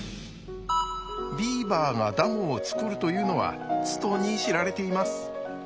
ビーバーがダムを作るというのはつとに知られています。